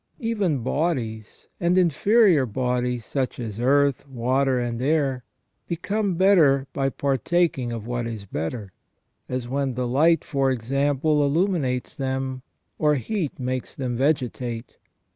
Even bodies, and inferior bodies, such as earth, water, and air, become better by partaking of what is better, as when the light, for example, illuminates them, or heat makes them vegetate.